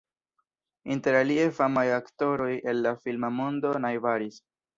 Interalie famaj aktoroj el la filma mondo najbaris.